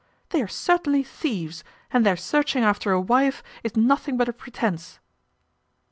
They are certainly thieves, and their searching after a wife is nothing but a pretence."